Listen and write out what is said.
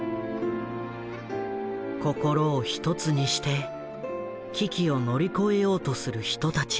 心を一つにして危機を乗り越えようとする人たち。